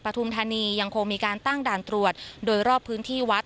ทุมธานียังคงมีการตั้งด่านตรวจโดยรอบพื้นที่วัด